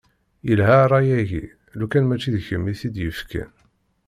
Yelha ṛṛay-agi, lukan mačči d kemm i t-id-yefkan.